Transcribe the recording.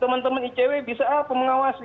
teman teman icw bisa apa mengawasi